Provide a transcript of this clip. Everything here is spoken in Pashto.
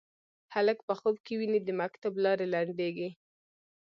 هلک په خوب کې ویني د مکتب لارې لنډیږې